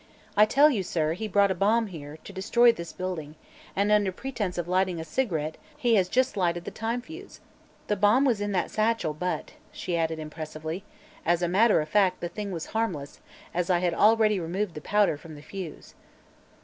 I tell you, sir, he brought a bomb here, to destroy this building, and under pretense of lighting, a cigarette he has just lighted the time fuse. The bomb was in that satchel, but " she added impressively, "as a matter of fact the thing was harmless, as I had already removed the powder from the fuse."